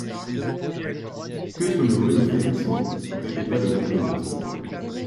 Que sommes-nous venus faire ici ? répéta le bourgmestre.